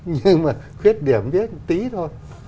nhưng mà khuyết điểm biết tí thôi